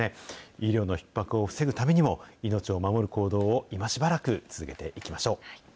医療のひっ迫を防ぐためにも、命を守る行動をいましばらく続けていきましょう。